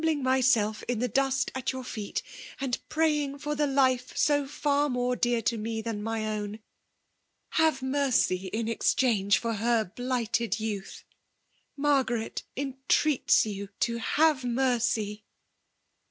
bilng myself in the dust at your fedt,« * aiid pnying for the life so fiur more dear to bk ftlian my own ! Have mercy in exdiange for tber b%hted youth; Margaret entreats you to Jutve mercy